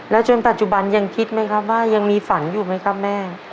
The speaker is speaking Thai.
จนปัจจุบันยังคิดไหมครับว่ายังมีฝันอยู่ไหมครับแม่